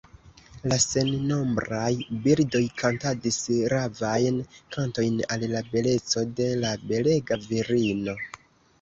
La sennombraj birdoj kantadis ravajn kantojn al la beleco de la belega virino.